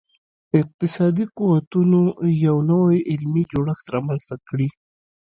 اقتصادي قوتونو یو نوی علمي جوړښت رامنځته کړي.